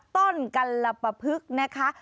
กัลปะพึกนะคะ